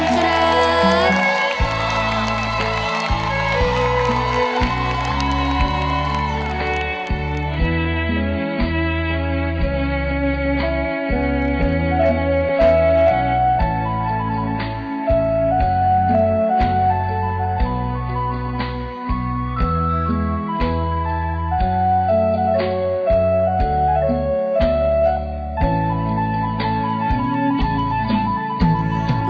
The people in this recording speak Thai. เสิร์ฟทุกรมพ่อโดนใจให้เสิร์ฟไว้โหเนื้อมามอง